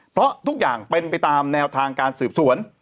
เพราะทุกอย่างเป็นไปตามแนวทางการสืบสวน